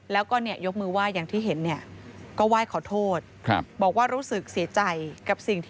แล้วก็เนี่ยยกมือไหว้อย่างที่เห็นเนี่ย